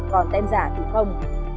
còn tem giả thì không